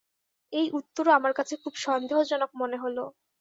এই উত্তরও আমার কাছে খুব সন্দেহজনক মনে হল।